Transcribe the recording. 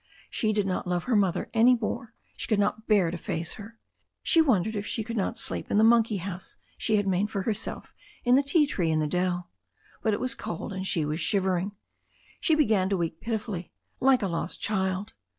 She did not love her mother any more. She could not bear to face her. She wondered if she could not sleep in the monkey house she had made for herself in a ti tree in the dell. But it was cold, and she was shivering. She began to weep pitifully, like a lost child.